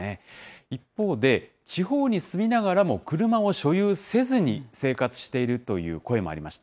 一方で、地方に住みながらも車を所有せずに生活しているという声もありました。